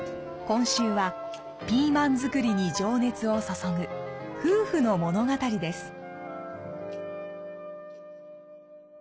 今週はピーマン作りに情熱を注ぐ夫婦の物語です。